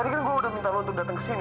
saya sudah minta kamu datang ke sini